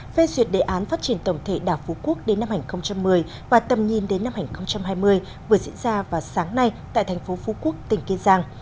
về duyệt đề án phát triển tổng thể đảo phú quốc đến năm hai nghìn một mươi và tầm nhìn đến năm hai nghìn hai mươi vừa diễn ra vào sáng nay tại thành phố phú quốc tỉnh kiên giang